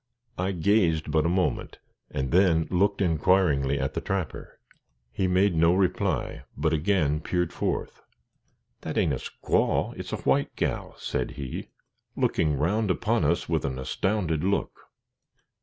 I gazed but a moment and then looked inquiringly at the trapper. He made no reply, but again peered forth. "That ain't a squaw; it's a white gal," said he, looking round upon us with an astounded look.